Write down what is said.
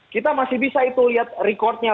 kita masih bisa itu lihat recordnya